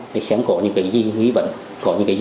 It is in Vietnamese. để xem có những gì hí vật